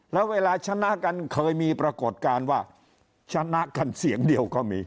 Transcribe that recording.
แล้วเวลาชนะกันเคยมีปรากฏการณ์ว่าชนะกันเสียงเดียวก็มี